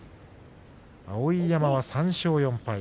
碧山は３勝４敗。